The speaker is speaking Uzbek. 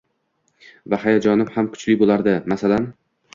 va hayajonim ham kuchli boʻlardi, masalan.